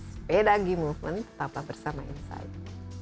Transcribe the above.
sepeda g movement tetap bersama insya allah